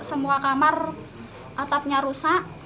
semua kamar atapnya rusak